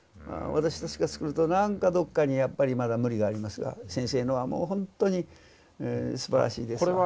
私たちが作るとなんかどっかにやっぱりまだ無理がありますが先生のはもうほんとにすばらしいですわ。